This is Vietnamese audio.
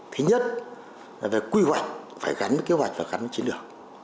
thứ nhất là phải quy hoạch phải gắn với kế hoạch và gắn với chiến lược